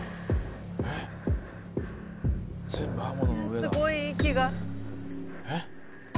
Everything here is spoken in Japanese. すごい息が。え？